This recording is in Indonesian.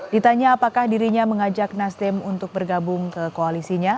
ditanya apakah dirinya mengajak nasdem untuk bergabung ke koalisinya